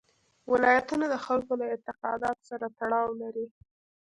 ولایتونه د خلکو له اعتقاداتو سره تړاو لري.